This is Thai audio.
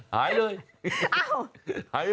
หายเลย